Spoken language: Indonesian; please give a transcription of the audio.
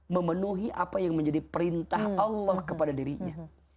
memenuhi apa yang menjadi perintah allah kepada dirinya